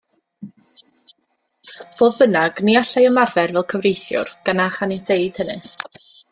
Fodd bynnag, ni allai ymarfer fel cyfreithiwr, gan na chaniateid hynny.